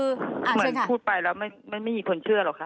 เหมือนพูดไปแล้วไม่มีคนเชื่อหรอกค่ะ